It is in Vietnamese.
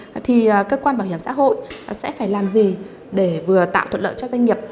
vậy thì cơ quan bảo hiểm xã hội sẽ phải làm gì để vừa tạo thuận lợi cho doanh nghiệp